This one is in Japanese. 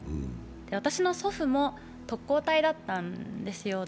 私の祖父も特攻隊だったんですよ。